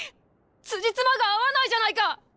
つじつまが合わないじゃないか！